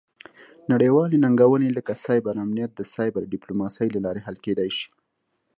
نړیوالې ننګونې لکه سایبر امنیت د سایبر ډیپلوماسي له لارې حل کیدی شي